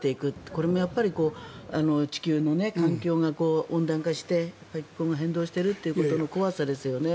これもやっぱり地球の環境が温暖化して気候が変動していることの怖さですよね。